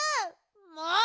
もう！